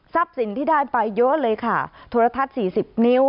ทรัพย์สินที่ได้ไปเยอะเลยค่ะธุระทัศน์๔๐นิ้ว